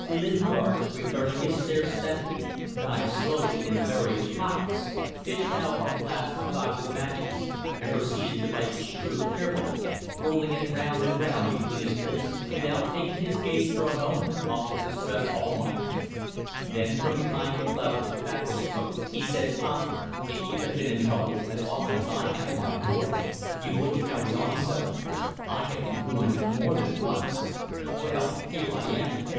Lingard, returning his stare steadily, dived slowly into various pockets, fished out at last a box of matches and proceeded to light his cheroot carefully, rolling it round and round between his lips, without taking his gaze for a moment off the distressed Almayer. Then from behind a cloud of tobacco smoke he said calmly "If you had been in trouble as often as I have, my boy, you wouldn't carry on so. I have been ruined more than once. Well, here I am."